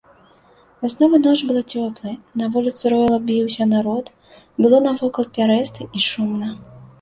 Вясновая ноч была цёплая, на вуліцы роілам біўся народ, было навокал пярэста і шумна.